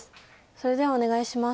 それではお願いします。